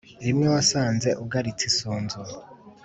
Rimwe wasanze ugaritse isunzu.